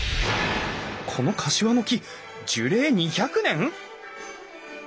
このカシワの木樹齢２００年！？